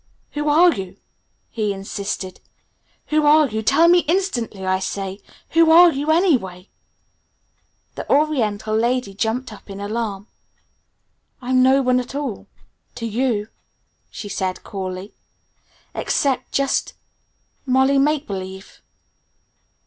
"Who are you?" he insisted. "Who are you? Tell me instantly, I say! Who are you anyway?" The oriental lady jumped up in alarm. "I'm no one at all to you," she said coolly, "except just Molly Make Believe."